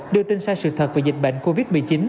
đưa tin sai sự thật về dịch bệnh covid một mươi chín